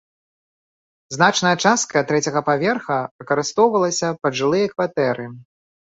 Значная частка трэцяга паверха выкарыстоўвалася пад жылыя кватэры.